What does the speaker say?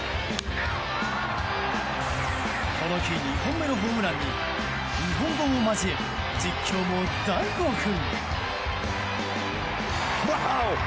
この日２本目のホームランに日本語も交え、実況も大興奮。